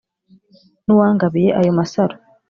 N'uwangabiye ayo masaro